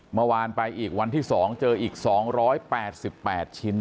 เมื่อวานไปอีกวันที่๒เจออีก๒๘๘ชิ้น